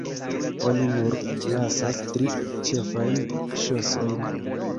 Oni nur lasas tri ĉefajn ŝosojn.